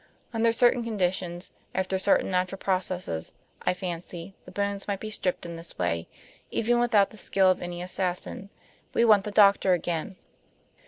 Under certain conditions, after certain natural processes, I fancy, the bones might be stripped in this way, even without the skill of any assassin. We want the doctor again."